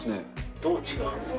どう違うんですか？